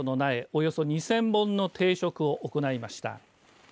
およそ２０００本の定植を行いました。